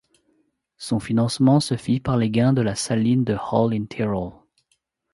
Son financement se fit par les gains de la saline de Hall in Tirol.